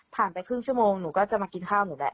ไปครึ่งชั่วโมงหนูก็จะมากินข้าวหนูแหละ